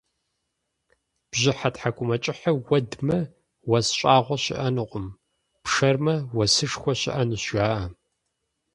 Бжьыхьэ тхьэкӏумэкӏыхьыр уэдмэ, уэс щӏагъуэ щыӏэнукъым, пшэрмэ, уэсышхуэ щыӏэнущ, жаӏэ.